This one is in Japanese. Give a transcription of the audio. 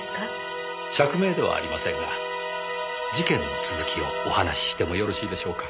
釈明ではありませんが事件の続きをお話ししてもよろしいでしょうか？